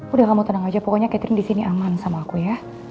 udah kamu tenang aja pokoknya catherine disini aman sama aku ya